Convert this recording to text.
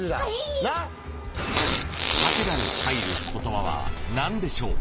［ハテナに入る言葉は何でしょう？］